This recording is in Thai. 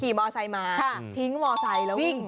มอไซค์มาทิ้งมอไซค์แล้ววิ่ง